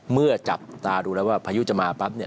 เมื่อจับตาดูแล้วว่าพายุจะมาปั๊บเนี่ย